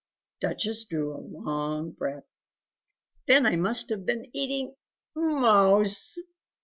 Duchess drew a long breath "Then I must have been eating MOUSE!...